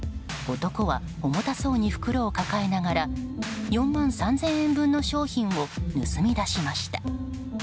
男は重たそうに袋を抱えながら４万３０００円分の商品を盗み出しました。